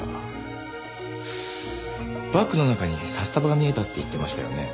バッグの中に札束が見えたって言ってましたよね？